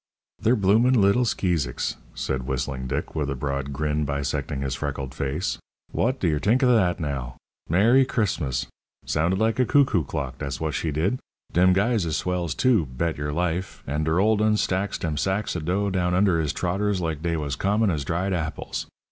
"Ther bloomin' little skeezicks!" said Whistling Dick, with a broad grin bisecting his freckled face. "W'ot d' yer think of dat, now! Mer ry Chris mus! Sounded like a cuckoo clock, da'ts what she did. Dem guys is swells, too, bet yer life, an' der old 'un stacks dem sacks of dough down under his trotters like dey was common as dried apples.